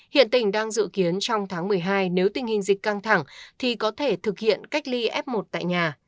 hiện tỉnh đang dự kiến trong tháng một mươi hai nếu tình hình dịch căng thẳng thì có thể thực hiện cách ly f một tại nhà